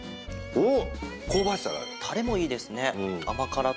おっ！